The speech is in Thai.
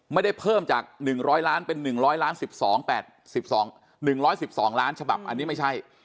ไม่ได้เพิ่มจาก๑๐๐ล้านเป็น๑๑๒๑๑๒ล้านฉบับอันนี้ไม่ใช่